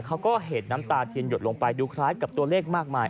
เขาก็เห็ดน้ำตาเทียนหยดลงไปดูคล้ายกับตัวเลขมากมาย